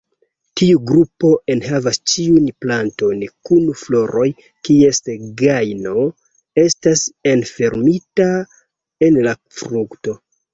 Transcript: Tiu grupo enhavas ĉiujn plantojn kun floroj kies grajno estas enfermita en la frukto.